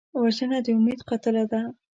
وژنه د امید قاتله ده